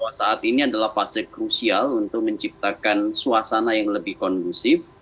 bahwa saat ini adalah fase krusial untuk menciptakan suasana yang lebih kondusif